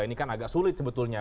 ini kan agak sulit sebetulnya